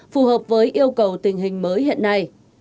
phù hợp với yêu cầu tình hình mới hiện nay